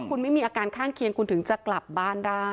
คุณไม่มีอาการข้างเคียงคุณถึงจะกลับบ้านได้